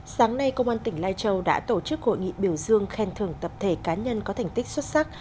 sáng nay công an tỉnh lai châu đã tổ chức hội nghị biểu dương khen thưởng tập thể cá nhân có thành tích xuất sắc